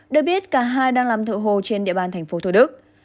được biết cả hai đang làm thợ hồ trên địa bàn tp hcm